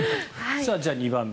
じゃあ２番目。